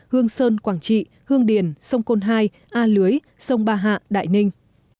hương sơn quảng trị hương điền sông côn hai a lưới sông ba hạ đại ninh